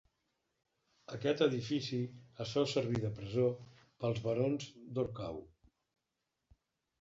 Aquest edifici es féu servir de presó pels barons d'Orcau.